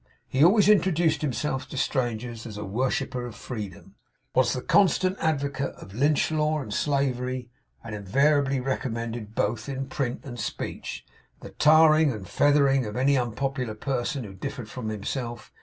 He always introduced himself to strangers as a worshipper of Freedom; was the consistent advocate of Lynch law, and slavery; and invariably recommended, both in print and speech, the 'tarring and feathering' of any unpopular person who differed from himself.